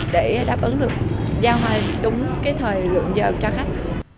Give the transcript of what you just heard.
để đáp ứng được giao hoa đúng thời lượng giờ cho khách